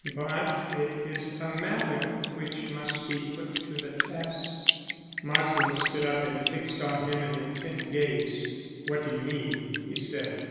"But it is a matter which must be put to the test." Marsland stood up and fixed on him an intent gaze. "What do you mean?" he said.